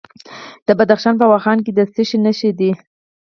د بدخشان په واخان کې د څه شي نښې دي؟